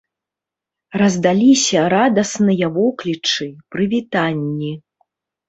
Раздаліся радасныя воклічы, прывітанні.